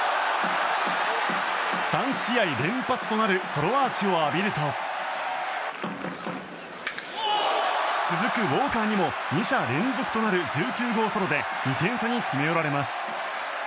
３試合連発となるソロアーチを浴びると続くウォーカーにも２者連続となる１９号ソロで２点差に詰め寄られます。